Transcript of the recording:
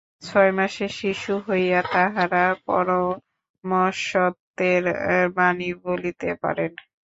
ছয়মাসের শিশু হইয়াও তাঁহারা পরমসত্যের বাণী বলিতে পারেন।